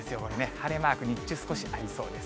晴れマーク、日中少しありそうです。